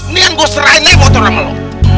nih yang gua serahin nih motor lu sama lu